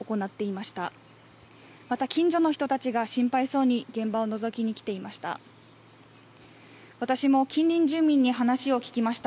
また近所の人たちが心配そうに現場をのぞきに来ていました。